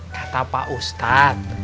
kata pak ustad